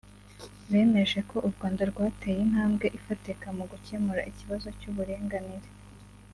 bemeje ko u Rwanda rwateye intambwe ifatika mu gukemura ikibazo cy’uburinganire